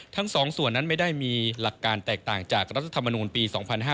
ทั้ง๒ส่วนนั้นไม่ได้มีหลักการแตกต่างจากรัฐธรรมนูลปี๒๕๕๙